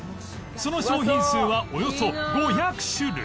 その商品数はおよそ５００種類